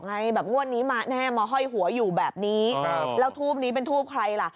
ไงแบบงวดนี้มาแน่มาห้อยหัวอยู่แบบนี้ครับแล้วทูปนี้เป็นทูปใครล่ะ